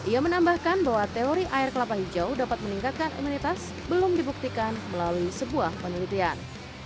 ia menambahkan bahwa teori air kelapa hijau dapat meningkatkan imunitas belum dibuktikan melalui sebuah penelitian